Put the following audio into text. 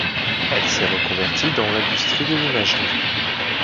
Elle s'est reconvertie dans l'industrie de l'imagerie.